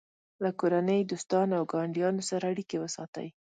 له کورنۍ، دوستانو او ګاونډیانو سره اړیکې وساتئ.